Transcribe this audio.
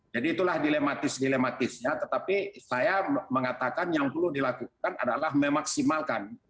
jadi itulah dilematis dilematisnya tetapi saya mengatakan yang perlu dilakukan adalah memaksimalkan